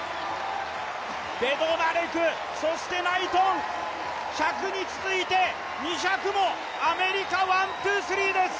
ベドナレク、そしてナイトン、１００に続いて２００もアメリカ、ワン・ツー・スリーです。